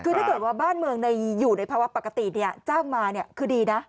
คือถ้าเกิดว่าบ้านเมืองอยู่ในภาวะปกติจ้างมาคือดีนะ